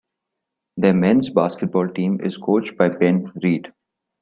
Their men's basketball team is coached by Ben Reed.